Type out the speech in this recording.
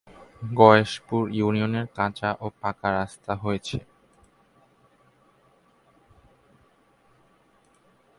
গয়েশপুর ইউনিয়নে কাঁচা ও পাঁকা রাস্তা রয়েছে।